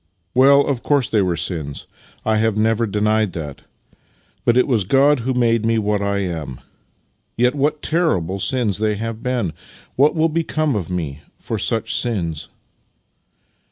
" Well, of course they were sins — I have never denied that; but it was God who made me what I am. Yet, what terrible sins they have been! What will become of me for such sins?